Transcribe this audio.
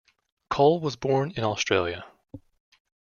Cole was born in Australia.